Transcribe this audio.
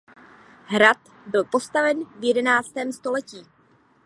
Hrad byl postaven v jedenáctém století.